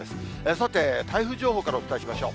さて、台風情報からお伝えしましょう。